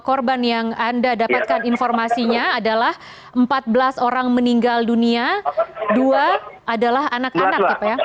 korban yang anda dapatkan informasinya adalah empat belas orang meninggal dunia dua adalah anak anak